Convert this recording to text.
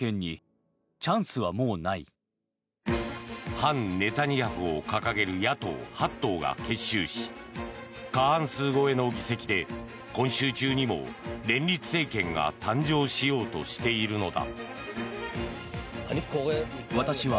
反ネタニヤフを掲げる野党８党が結集し過半数超えの議席で今週中にも連立政権が誕生しようとしているのだ。